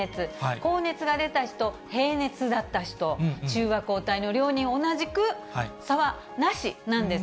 高熱が出た人、平熱だった人、中和抗体の量に同じく、差はなしなんです。